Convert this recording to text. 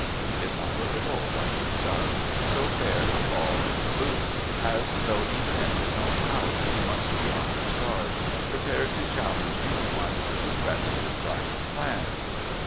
He did not look at all like her son, so fair, tall and aloof, as though even in his own house he must be on his guard, prepared to challenge any one who threatened his private plans.